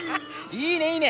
いいねいいね！